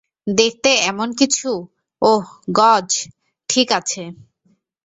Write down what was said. দেখতে এমন কিছু, ওহ, গজ, ঠিক আছে?